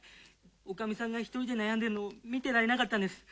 女将さんが１人で悩んでいるのを見てられなかったんです。